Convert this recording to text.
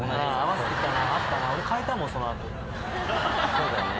そうだよね。